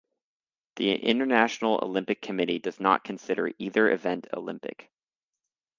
The International Olympic Committee does not consider either event Olympic.